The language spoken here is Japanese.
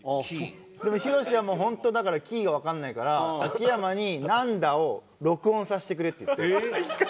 でも博はもう本当だからキーがわからないから秋山に「なんだ」を録音させてくれって言って。